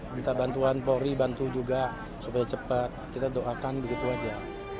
minta bantuan polri bantu juga supaya cepat kita doakan begitu saja